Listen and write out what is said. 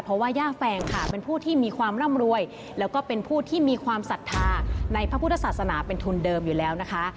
เพราะว่าย่าแฟงค่ะเป็นผู้ที่มีความร่ำรวยแล้วก็เป็นผู้ที่มีความศรัทธาในพระพุทธศาสนาเป็นทุนเดิมอยู่แล้วนะคะ